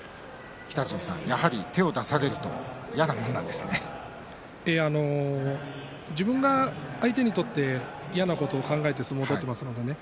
北陣さん、やはり手を出されると自分が相手にとって嫌なことを考えて相撲を取っていますのでね